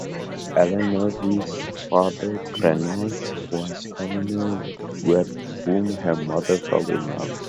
Eilonwy's father, Geraint, was a commoner with whom her mother fell in love.